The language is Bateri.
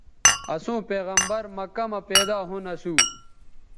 اَسوں پیغمبرؐ مکہ مہ پیدا ھُون اَسو